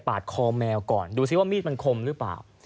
คอแมวก่อนดูซิว่ามีดมันคมหรือเปล่า